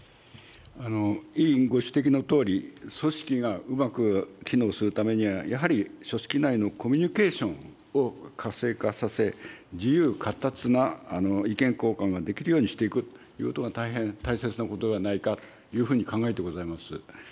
委員ご指摘のとおり、組織がうまく機能するためには、やはり組織内のコミュニケーションを活性化させ、自由かったつな意見交換ができるようにしていくということが、大変大切なことではないかというふうに考えてございます。